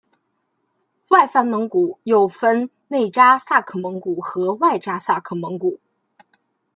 外藩蒙古又分为内札萨克蒙古和外札萨克蒙古。